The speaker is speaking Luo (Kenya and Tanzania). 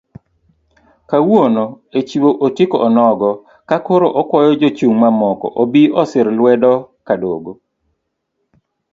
Kawuono echiwo otiko onogo kakoro okwayo jochung' mamoko obi osir lwedo Kadogo.